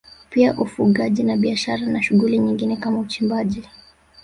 Pia ufugaji na biashara na shughuli nyingine kama uchimbaji